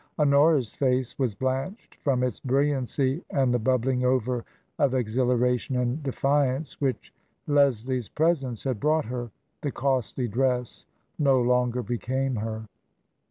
Honora's face was blanched from its brilliancy and the bubbling over of exhilaration and defiance which Les lie's presence had brought her; the costly dress no longer became her.